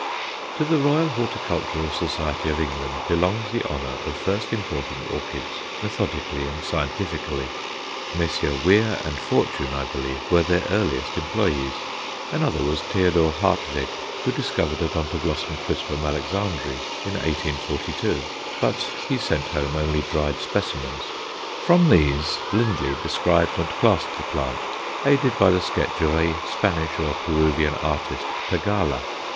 To the Royal Horticultural Society of England belongs the honour of first importing orchids methodically and scientifically. Messrs. Weir and Fortune, I believe, were their earliest employés. Another was Theodor Hartweg, who discovered Odontoglossum crispum Alexandræ in 1842; but he sent home only dried specimens. From these Lindley described and classed the plant, aided by the sketch of a Spanish or Peruvian artist, Tagala.